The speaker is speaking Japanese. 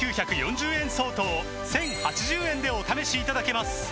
５９４０円相当を１０８０円でお試しいただけます